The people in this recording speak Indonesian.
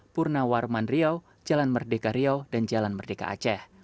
purnawarman riau jalan merdeka riau dan jalan merdeka aceh